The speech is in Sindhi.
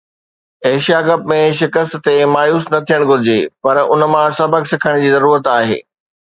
ايشيا ڪپ ۾ شڪست تي مايوس نه ٿيڻ گهرجي پر ان مان سبق سکڻ جي ضرورت آهي